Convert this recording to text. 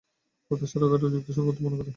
প্রত্যাশা রাখাটাই যুক্তিসঙ্গত মনে করি।